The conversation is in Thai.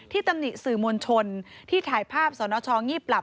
ตำหนิสื่อมวลชนที่ถ่ายภาพสนชงีบหลับ